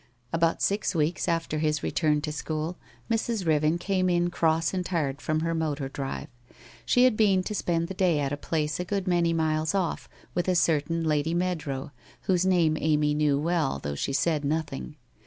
About six weeks after his return to school, Mrs. Riven came in cross and tired from her motor drive. She had been to spend the day at a place a good many miles off, with a certain Lady Meadrow, whose name Amy knew well, though she said nothing.